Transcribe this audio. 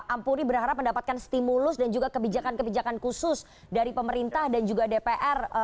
ampuri berharap mendapatkan stimulus dan juga kebijakan kebijakan khusus dari pemerintah dan juga dpr